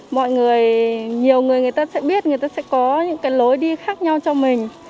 mọi người nhiều người người ta sẽ biết người ta sẽ có những cái lối đi khác nhau cho mình